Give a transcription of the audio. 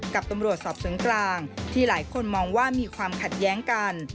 กับตำรวจสอบสวนกลางที่หลายคนมองว่ามีความขัดแย้งกัน